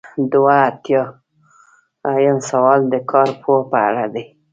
دوه ایاتیام سوال د کارپوه په اړه دی.